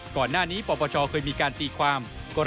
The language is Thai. ก่อนหน้านี้ปปชเคยมีการตีความ